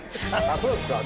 そうですか。